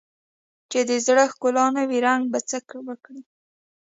چې د زړه ښکلا نه وي، زنګ به څه وکړي؟